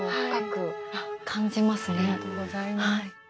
ありがとうございます。